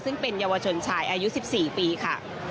ซึ่งเป็นเยาวชนชายอายุ๑๔ปีค่ะ